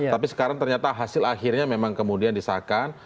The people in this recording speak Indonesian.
tapi sekarang ternyata hasil akhirnya memang kemudian disahkan